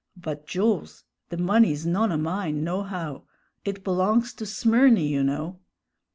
"But, Jools, the money's none o' mine, nohow; it belongs to Smyrny, you know."